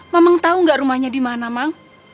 mamang tahu nggak rumahnya dimana mang